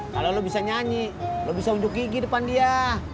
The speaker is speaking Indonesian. kalau lo bisa nyanyi lo bisa unjuk gigi depan dia